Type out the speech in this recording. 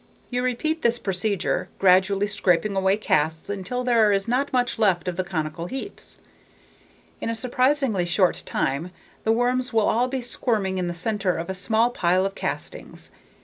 You repeat this procedure, gradually scraping away casts until there is not much left of the conical heaps. In a surprisingly short time, the worms will all be squirming in the center of a small pile of castings.